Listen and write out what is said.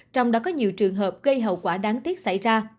trường hợp gây hậu quả đáng tiếc xảy ra